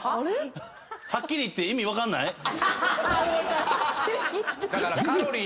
「はっきり言って意味分かんない」